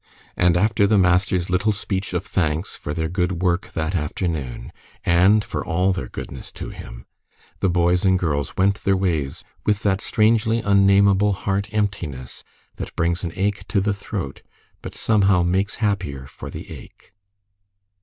And after the master's little speech of thanks for their good work that afternoon, and for all their goodness to him, the boys and girls went their ways with that strangely unnameable heart emptiness that brings an ache to the throat, but somehow makes happier for the ache.